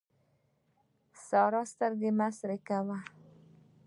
سارا سترګې مه سرې کوه.